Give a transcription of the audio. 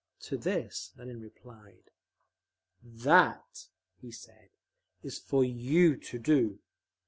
To this Lenin replied. "That," he said, "is for you to do.